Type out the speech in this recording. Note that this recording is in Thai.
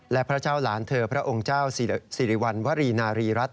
และพระเจ้าหลานเธอพระองค์เจ้าสิริวัณวรีนารีรัฐ